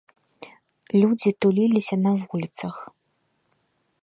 Людзі туліліся на вуліцах.